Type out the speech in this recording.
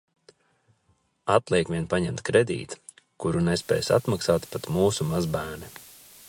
Atliek vien paņemt kredītu, kuru nespēs atmaksāt pat mūsu mazbērni.